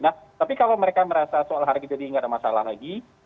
nah tapi kalau mereka merasa soal harga jadi nggak ada masalah lagi